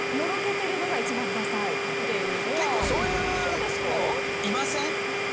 結構そういうのいません？